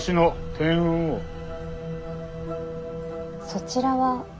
そちらは？